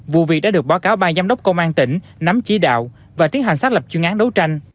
vụ việc đã được báo cáo ban giám đốc công an tỉnh nắm chỉ đạo và tiến hành xác lập chuyên án đấu tranh